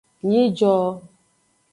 Nyijo.